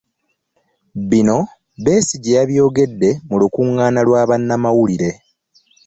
Bino Besigye abyogeredde mu lukuŋŋaana lwa bannamawulire